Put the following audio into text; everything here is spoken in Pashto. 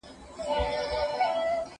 موټر کاروه